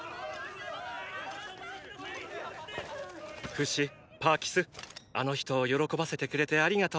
フシパーキスあの人を喜ばせてくれてありがとね！